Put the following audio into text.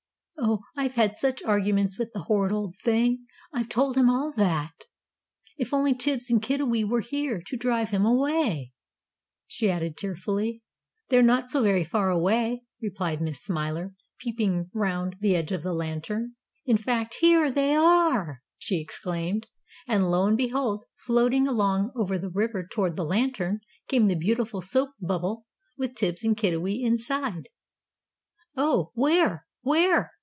"Oh, I've had such arguments with the horrid old thing! I've told him all that. If only Tibbs and Kiddiwee were here to drive him away," she added, tearfully. "They're not so very far away," replied Miss Smiler, peeping round the edge of the Lantern. "In fact HERE THEY ARE!" she exclaimed. And, lo and behold, floating along over the river toward the Lantern, came the beautiful soap bubble, with Tibbs and Kiddiwee inside. "Oh, where? Where?"